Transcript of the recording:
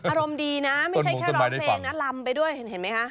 อารมณ์ดีนะไม่ใช่แค่ร้องเพลงนะลำไปด้วยเห็นไหมคะ